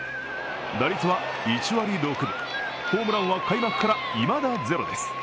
打率は１割６分、ホームランは開幕からいまだゼロです。